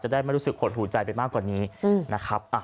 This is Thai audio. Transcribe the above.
ได้ไม่รู้สึกหดหูใจไปมากกว่านี้นะครับ